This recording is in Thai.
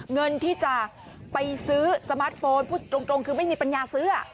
เงินที่จะไปซื้อสมาร์ทโฟนพูดตรงคือไม่มีปัญญาซื้อ